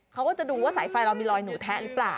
เขาก็จะดูว่าสายไฟเรามีรอยหนูแทะหรือเปล่า